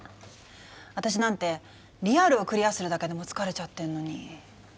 私なんてリアルをクリアするだけでも疲れちゃってんのに。